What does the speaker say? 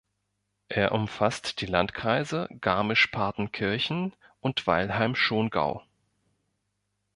Er umfasst die Landkreise Garmisch-Partenkirchen und Weilheim-Schongau.